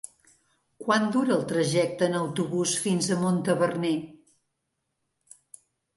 Quant dura el trajecte en autobús fins a Montaverner?